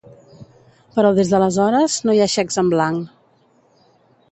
Però des d’aleshores no hi ha xecs en blanc.